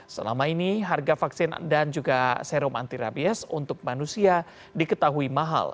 selama ini harga vaksin dan juga serum anti rabies untuk manusia diketahui mahal